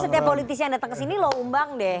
setiap politisi yang datang kesini lo umbang deh